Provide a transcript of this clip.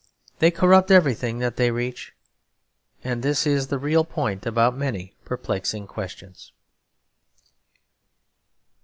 They corrupt everything that they reach, and this is the real point about many perplexing questions.